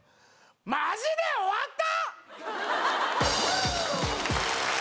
マジで終わった！